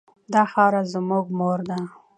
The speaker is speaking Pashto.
دا خاوره زموږ مور ده.